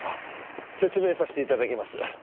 説明させて頂きます。